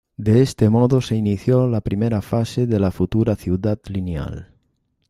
De ese modo se inició la primera fase de la futura Ciudad Lineal.